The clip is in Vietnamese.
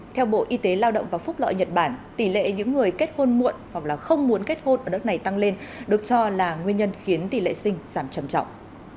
theo bộ y tế lao động và phúc lợi nhật bản tỷ lệ những người kết hôn muộn hoặc không muốn kết hôn ở đất này tăng lên được cho là nguyên nhân khiến tỷ lệ sinh giảm trầm trọng